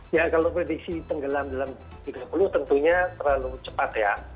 ya kalau prediksi tenggelam dalam tiga puluh tentunya terlalu cepat ya